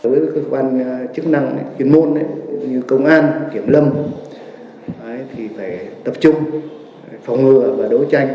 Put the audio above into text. với các quan chức năng chuyên môn như công an kiểm lâm thì phải tập trung phòng ngừa và đấu tranh